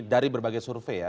dari berbagai survei ya